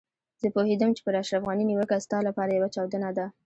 زه پوهېدم چې پر اشرف غني نيوکه ستا لپاره يوه چاودنه ده.